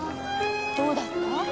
どうだった？